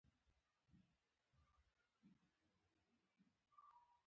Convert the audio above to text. کچالو ژمي ته مناسبه ده